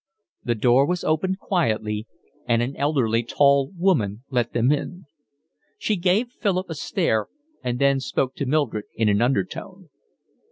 The door was opened quietly, and an elderly, tall woman let them in. She gave Philip a stare and then spoke to Mildred in an undertone.